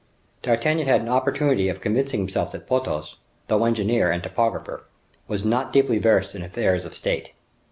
D'Artagnan had an opportunity of convincing himself that Porthos, though engineer and topographer, was not deeply versed in affairs of state.